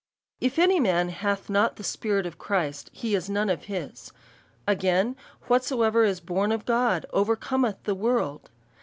If any man hath not the Spirit of Christ, he is none of his. Again, Whosoever is born of God, over Com eth the world.